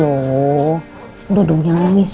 udah dong jangan nangis